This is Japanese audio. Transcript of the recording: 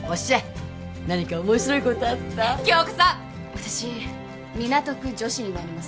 私港区女子になります